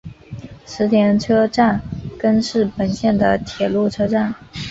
池田车站根室本线的铁路车站。